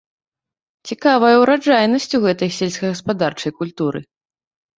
Цікавая ураджайнасць у гэтай сельскагаспадарчай культуры!